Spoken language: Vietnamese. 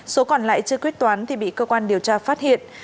số còn lại chưa quyết toán thì bị cơ quan điều tra phát hiện